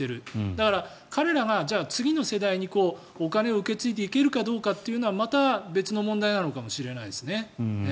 だから、彼らが次の世代にお金を受け継いでいけるかというのはまた別の問題なのかもしれないですね。